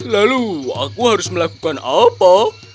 lalu aku harus melakukan apa